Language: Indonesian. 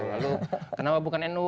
lalu kenapa bukan nu